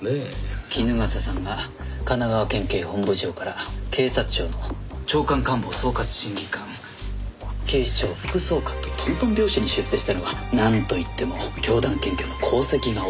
衣笠さんが神奈川県警本部長から警察庁の長官官房総括審議官警視庁副総監とトントン拍子に出世したのはなんと言っても教団検挙の功績が大きいですから。